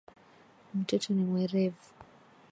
Mtoto ni mwerevu